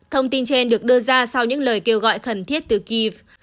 thông tin trên được đưa ra sau những lời kêu gọi khẩn thiết từ kiev